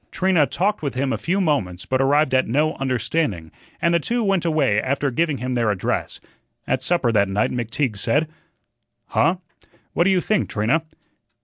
Trina talked with him a few moments, but arrived at no understanding, and the two went away after giving him their address. At supper that night McTeague said: "Huh what do you think, Trina?"